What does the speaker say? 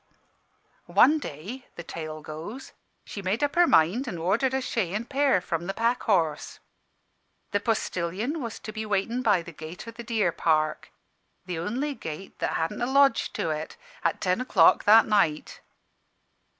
"One day the tale goes she made up her mind an' ordered a shay an' pair from the Pack Horse. The postillion was to be waitin' by the gate o' the deer park the only gate that hadn't a lodge to it at ten o'clock that night.